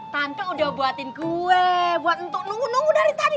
tante udah buatin kue buat untuk nunggu nunggu dari tadi